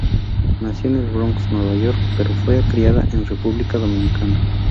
Nació en El Bronx, Nueva York, pero fue criada en República Dominicana.